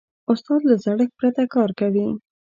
استاد له زړښت پرته کار کوي.